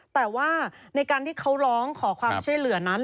แต่ว่าในการที่เขาร้องขอความช่วยเหลือนั้น